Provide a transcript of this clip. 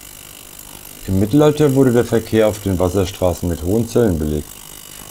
Im Mittelalter wurde der Verkehr auf den Wasserstraßen mit hohen Zöllen belegt.